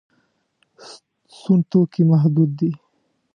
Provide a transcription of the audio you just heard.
سون توکي محدود دي.